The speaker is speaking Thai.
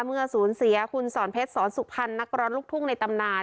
เมื่อสูญเสียคุณสอนเพชรสอนสุพรรณนักร้องลูกทุ่งในตำนาน